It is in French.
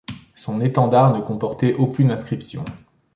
Son étendard ne comportait aucune inscription.